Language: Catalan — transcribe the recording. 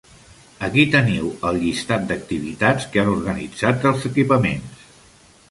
Aquí teniu el llistat d'activitats que han organitzat els equipaments.